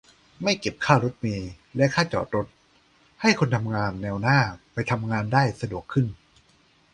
- ไม่เก็บค่ารถเมล์และค่าจอดรถ ให้คนทำงานแนวหน้าไปทำงานได้สะดวกขึ้น